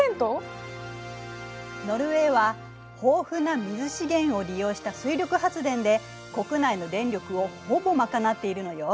ノルウェーは豊富な水資源を利用した水力発電で国内の電力をほぼ賄っているのよ。